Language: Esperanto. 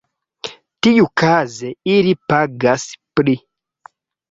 Tiukaze ili pagas pli.